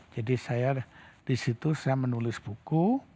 jadi saya disitu saya menulis buku